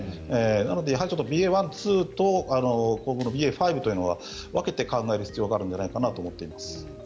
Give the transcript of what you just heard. なので、ＢＡ．１、ＢＡ．２と今度のＢＡ．５は分けて考える必要があるのではないかなと思っています。